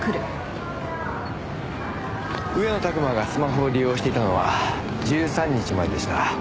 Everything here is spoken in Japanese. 上野拓馬がスマホを利用していたのは１３日まででした。